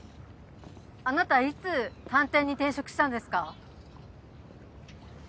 あなたいつ探偵に転職したんですか？